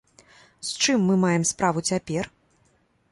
З чым мы маем справу цяпер?